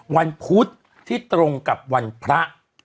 วันพุธที่ตรงกับวันพระ